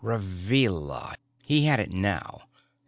Revilla he had it now.